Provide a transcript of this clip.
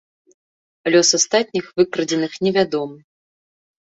Лёс астатніх выкрадзеных невядомы.